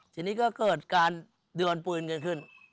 ทีนี้ก็เกิดการดวนปืนกันขึ้น